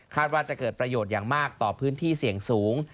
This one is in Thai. ว่าจะเกิดประโยชน์อย่างมากต่อพื้นที่เสี่ยงสูง